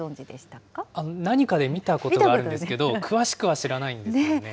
何かで見たことはあるんですけど、詳しくは知らないんですよね。